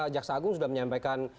jaksa agung sudah menyampaikan